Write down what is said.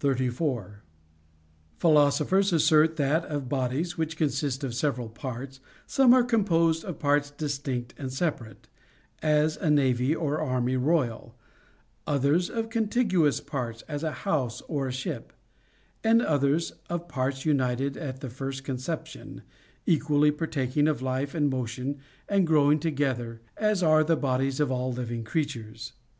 34. Philosophers assert that, of bodies which consist of several parts, some are composed of parts distinct and separate, as a navy or army royal ; others of contiguous parts, as a house or a ship ; and others of parts united at the first conception, equally partaking of life and motion and growing together, as are the bodies of all living crea CONJUGAL PRECEPTS. 499 tures.